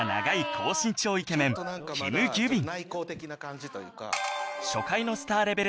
高身長イケメンキム・ギュビン